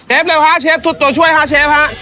เชฟเร็วค่ะเชฟถูกตัวช่วยค่ะเชฟค่ะ